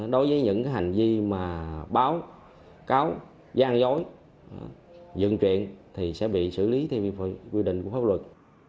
đối với những hành vi mà báo cáo gian dối dừng truyện thì sẽ bị xử lý theo quy định của pháp luật